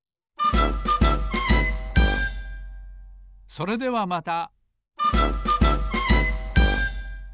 それではまた！